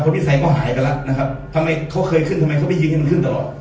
วิสัยก็หายไปแล้วนะครับทำไมเขาเคยขึ้นทำไมเขาไม่ยิงให้มันขึ้นตลอด